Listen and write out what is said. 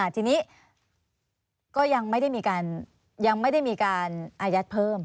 ทีนี้ก็ยังไม่ได้มีการอายัดเพิ่ม